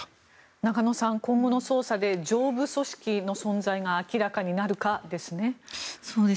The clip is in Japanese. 中野さん、今後の捜査で上部組織の存在が明らかになるかですね。